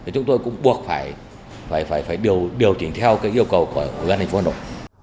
chúng tôi cũng buộc phải điều chỉnh theo yêu cầu của ủy ban thành phố hà nội